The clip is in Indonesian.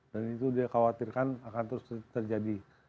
dan itu dia khawatirkan akan terus terjadi